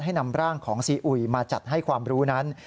นำร่างของซีอุยมาจัดให้ความรู้นั้น